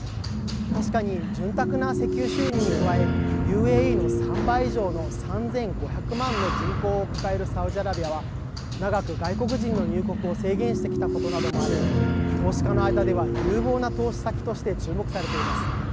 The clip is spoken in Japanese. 確かに潤沢な石油収入に加えＵＡＥの３倍以上の３５００万の人口を抱えるサウジアラビアは長く外国人の入国を制限してきたことなどもあり投資家の間では、有望な投資先として注目されています。